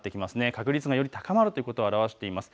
確率がより高まるということを表しています。